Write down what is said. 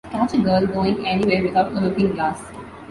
Catch a girl going anywhere without a looking-glass.